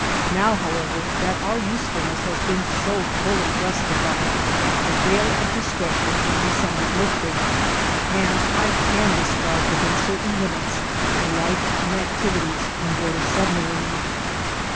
Now, however, that our usefulness has been so fully justified, the veil of discretion can be somewhat lifted, and I can describe within certain limits the life and activities on board a submarine.